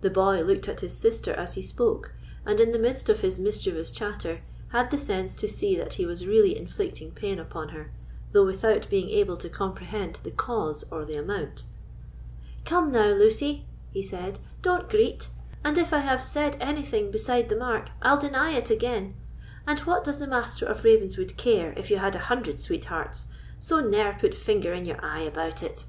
The boy looked at his sister as he spoke, and, in the midst of his mischievous chatter, had the sense to see that he was really inflicting pain upon her, though without being able to comprehend the cause or the amount. "Come now, Lucy," he said, "don't greet; and if I have said anything beside the mark, I'll deny it again; and what does the Master of Ravenswood care if you had a hundred sweethearts? so ne'er put finger in your eye about it."